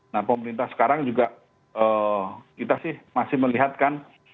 nah pemerintah sekarang juga kita sih masih melihatkan